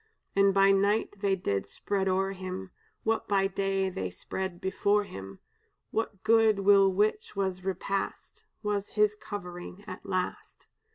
"And by night they did spread o'er him What by day they spread before him; That good will which was repast Was his covering at last.